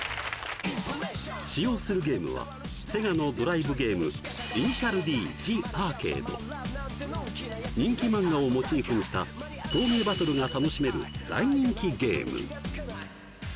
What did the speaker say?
使用するゲームはセガのドライブゲーム人気漫画をモチーフにした峠バトルが楽しめる大人気ゲーム